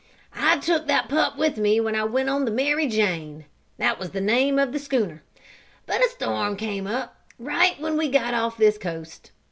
"I took that pup with me when I went on the Mary Jane that was the name of the schooner. But a storm came up right when we got off this coast.